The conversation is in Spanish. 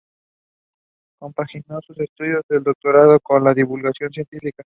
Compaginó sus estudios de doctorado con la divulgación científica.